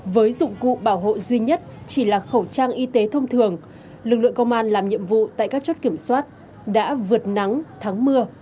với dụng cụ bảo hộ duy nhất chỉ là khẩu trang y tế thông thường lực lượng công an làm nhiệm vụ tại các chốt kiểm soát đã vượt nắng thắng mưa